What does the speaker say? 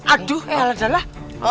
aduh ya alah dahlah